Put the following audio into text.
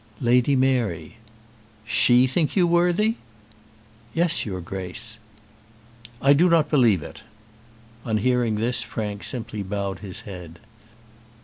"Lady Mary." "She think you worthy!" "Yes, your Grace." "I do not believe it." On hearing this, Frank simply bowed his head.